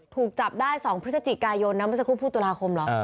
ถูกจับได้๒พฤศจิกายนน้ำมันจะคุ้มผู้ตุลาคมหรอ